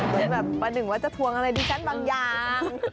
ที่แบบประหนึ่งว่าจะทวงอะไรดิฉันบางอย่าง